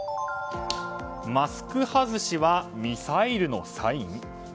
マスク外しはミサイルのサイン？